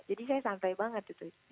jadi saya santai banget gitu